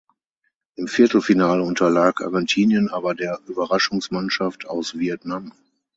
Im Viertelfinale unterlag Argentinien aber der Überraschungsmannschaft aus Vietnam.